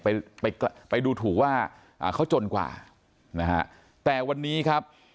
ไปไปไปดูถูกว่าอ่าเขาจนกว่านะฮะแต่วันนี้ครับ